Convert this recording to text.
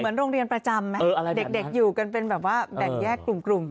โรงเรียนประจำไหมเด็กอยู่กันเป็นแบบว่าแบ่งแยกกลุ่ม